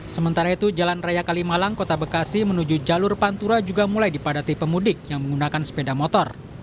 sementara itu jalan raya kalimalang kota bekasi menuju jalur pantura juga mulai dipadati pemudik yang menggunakan sepeda motor